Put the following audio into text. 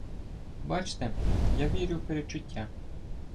— Бачте, я вірю в передчуття.